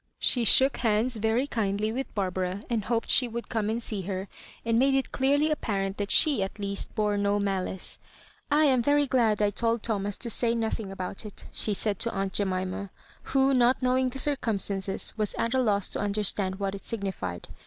She shook hands very kindly with Barbara, and hoped she would come and see her, and made it clearly ap parent that »he at least bore no malice. " I am very glad I told Thomas to say nothing about it," she said to aunt Jemima, who, not knowing the circumstances, was at a loss to understand what it signified.